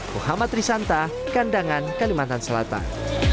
muhammad risanta kandangan kalimantan selatan